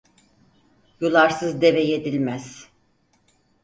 Yularsız deve yedilmez.